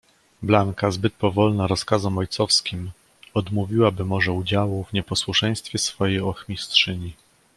"Blanka zbyt powolna rozkazom ojcowskim, odmówiłaby może udziału w nieposłuszeństwie swojej ochmistrzyni."